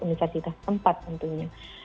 situasi keempat tentunya